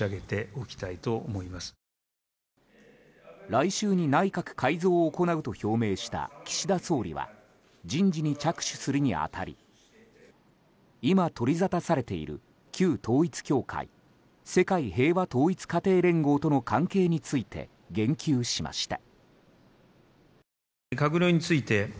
来週に内閣改造を行うと表明した岸田総理は人事に着手するに当たり今、取り沙汰されている旧統一教会世界平和統一家庭連合との関係について言及しました。